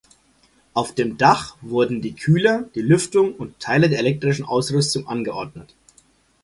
Auf dem Dach wurden die Kühler, die Lüftung und Teile der elektrischen Ausrüstung angeordnet.